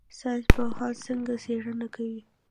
ساینس پوهان څنګه څیړنه کوي؟